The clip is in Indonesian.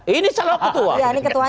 ini salah pak ketua